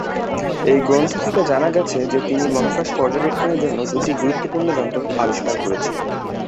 এই গ্রন্থ থেকে জানা গেছে যে তিনি মহাকাশ পর্যবেক্ষণের জন্য দুটি গুরুত্বপূর্ণ যন্ত্র আবিষ্কার করেছিলেন।